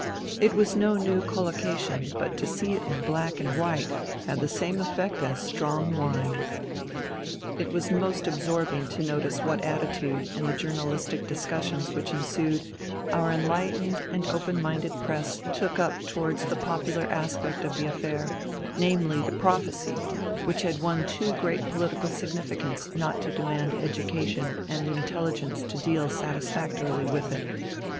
It was no new collocation, but to see it in black on white had the same effect as strong wine. It was most absorbing to notice what attitude, in the journalistic discussions which ensued, our enlightened and open minded press took up towards the popular aspect of the affair, namely, the prophecy, which had won too great political significance not to demand education and intelligence to deal satisfactorily with it.